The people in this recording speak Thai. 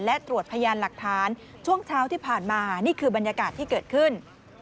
และตรวจพยานหลักฐานช่วงเช้าที่ผ่านมานี่คือบรรยากาศที่เกิดขึ้น